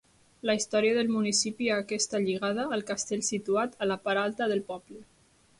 La història del municipi aquesta lligada al castell situat a la part alta del poble.